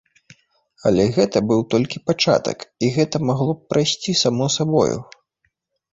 Але гэта быў толькі пачатак і гэта магло б прайсці само сабою.